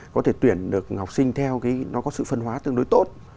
có thể tuyển được học sinh theo cái nó có sự phân hóa tương đối tốt